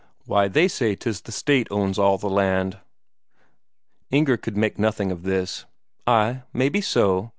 "Why, they say 'tis the State owns all the land." Inger could make nothing of this. "Ay, maybe so.